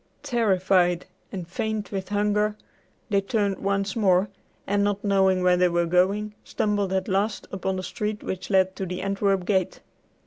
Terrified and faint with hunger, they turned once more, and, not knowing where they were going, stumbled at last upon the street which led to the Antwerp gate.